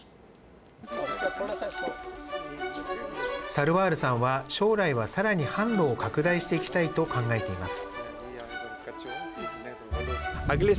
サルワールさんは将来はさらに販路を拡大していきたいと考えています。